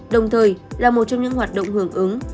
đồng thời là một trong những hoạt động hưởng ứng